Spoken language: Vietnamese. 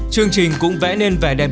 chương trình cũng vẽ nên vẻ đẹp